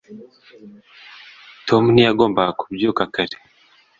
tom ntiyagombaga kubyuka kare